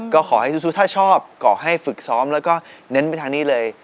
ก็ขอให้สู้ถ้าชอบก่อให้ฝึกซ้อมแล้วก็เน้นไปทางนี้เลย